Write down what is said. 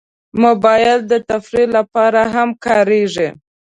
موبایل د تفریح لپاره هم کارېږي.